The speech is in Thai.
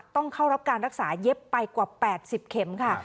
ต้องเข้ารับการรักษาเย็บไปกว่า๘๐เข็มค่ะ